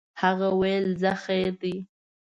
هغه ویل ځه خیر دی.